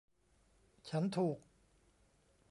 ฉันถูก